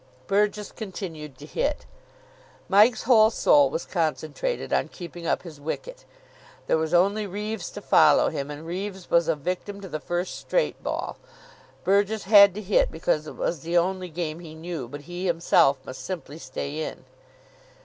Burgess continued to hit. Mike's whole soul was concentrated on keeping up his wicket. There was only Reeves to follow him, and Reeves was a victim to the first straight ball. Burgess had to hit because it was the only game he knew; but he himself must simply stay in.